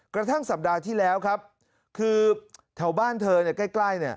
กระทั่งสัปดาห์ที่แล้วครับคือแถวบ้านเธอใกล้